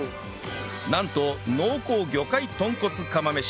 なんと濃厚魚介豚骨釜飯